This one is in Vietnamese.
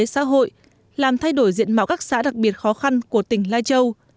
xã hội làm thay đổi diện mạo các xã đặc biệt khó khăn của tỉnh lai châu